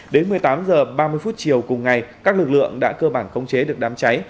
đến một mươi tám h ba mươi chiều cùng ngày các lực lượng đã cơ bản khống chế được đám cháy